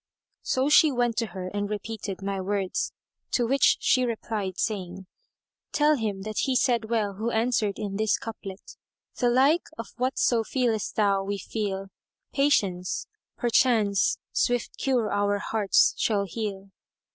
So she went to her and repeated my words, to which she replied saying, "Tell him that he said well who answered in this couplet:— The like of whatso feelest thou we feel; * Patience! perchance swift cure our hearts shall heal."